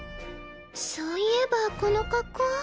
そういえばこの格好。